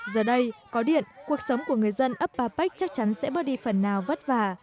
giờ đây có điện cuộc sống của người dân ấp ba bách chắc chắn sẽ bớt đi phần nào vất vả